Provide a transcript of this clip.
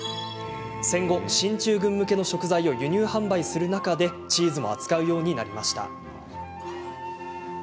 戦後、進駐軍向けの食材を輸入販売する中でチーズも扱うようになりました。